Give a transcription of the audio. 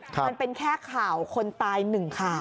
มันเป็นแค่ข่าวคนตายหนึ่งข่าว